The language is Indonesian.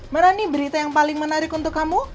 merani berita yang paling menarik untuk kamu